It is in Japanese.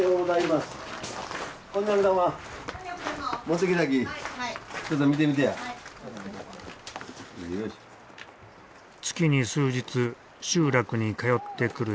月に数日集落に通ってくる人がいる。